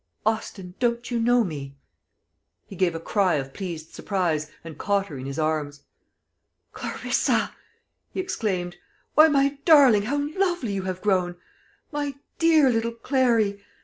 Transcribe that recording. "Austin, don't you know me?" He gave a cry of pleased surprise, and caught her in his arms. "Clarissa!" he exclaimed; "why, my darling, how lovely you have grown! My dear little Clary!